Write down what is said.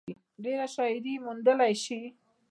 ډېره شاعري موندلے شي ۔